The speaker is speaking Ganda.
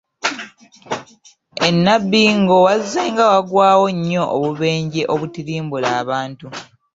E Nnabbingo wazzenga wagwawo nnyo obubenje obutirimbula abantu.